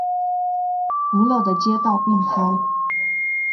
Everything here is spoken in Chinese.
古老的街道并排。